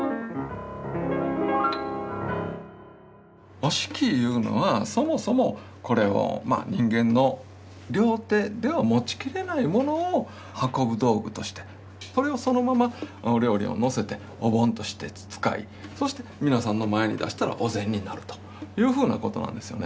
折敷いうのはそもそもこれを人間の両手では持ちきれないものを運ぶ道具としてそれをそのままお料理を載せてお盆として使いそして皆さんの前に出したらお膳になるというふうなことなんですよね。